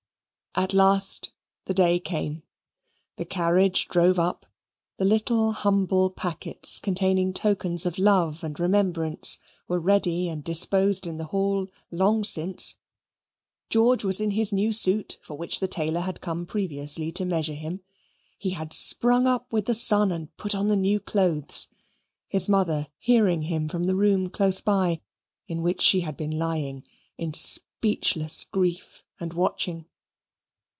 At last the day came, the carriage drove up, the little humble packets containing tokens of love and remembrance were ready and disposed in the hall long since George was in his new suit, for which the tailor had come previously to measure him. He had sprung up with the sun and put on the new clothes, his mother hearing him from the room close by, in which she had been lying, in speechless grief and watching.